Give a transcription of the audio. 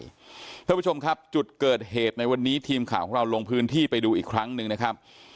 คุณผู้ชมครับจุดเกิดเหตุในวันนี้ทีมข่าวของเราลงพื้นที่ไปดูอีกครั้งหนึ่งนะครับ